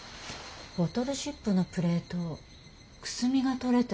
ボトルシップのプレートくすみが取れてる。